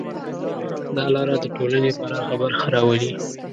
دا لاره د ټولنې پراخه برخه راولي.